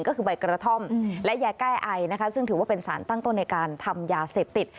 ก็คือใบกระท่อมและยาแก้ไอนะคะซึ่งถือว่าเป็นสารตั้งต้นในการทำยาเสพติด